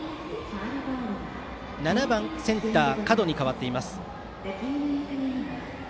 ７番センター、角に代わっています。